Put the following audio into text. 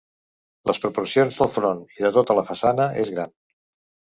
Les proporcions del front i de tota la façana és gran.